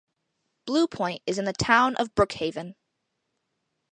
Blue Point is in the Town of Brookhaven.